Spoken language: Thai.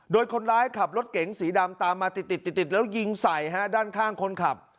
โดยคนร้ายขับรถเก๋งสีดำตามมาติดติดแล้วยิงใส่ฮะด้านข้างคนขับ